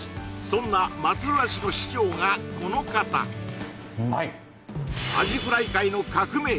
そんな松浦市の市長がこの方うまい！